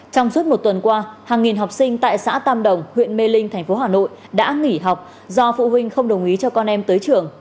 trong suốt một tuần qua hàng nghìn học sinh tại xã tam đồng huyện mê linh thành phố hà nội đã nghỉ học do phụ huynh không đồng ý cho con em tới trường